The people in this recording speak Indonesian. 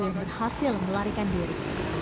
yang berhasil melarikan diri